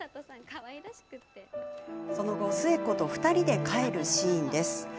その後、寿恵子と２人で帰るシーン。